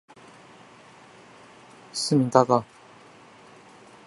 市民大道